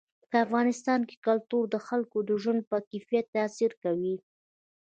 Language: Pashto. په افغانستان کې کلتور د خلکو د ژوند په کیفیت تاثیر کوي.